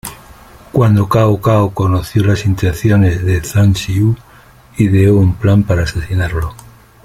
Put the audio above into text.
Cuando Cao Cao conoció las intenciones de Zhang Xiu, ideó un plan para asesinarlo.